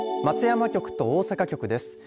松山局と大阪局です。